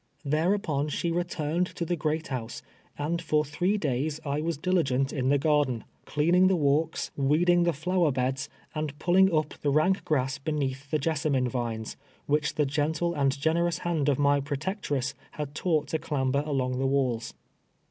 Thereuj^on she returned to the great house, and for three days I was diligent in the garden, 148 TWELVE TEARS A SLAVE. cloaiiinii; tlie walks, weeding tlic ilower beds, and pulling u}) tlie rank grass l»eneatli the jessamine vines, wliieh the gentle and generous hand of mv protectress had taught to chunher along the walls.